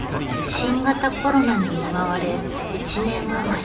新型コロナに見舞われ１年余り。